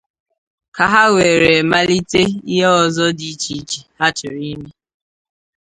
ka ha were malite ihe ọzọ dị iche iche ha chọrọ ime